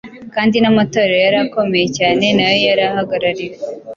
kandi n’amatorero yari akomeye cyane nayo yari ahagarariwe.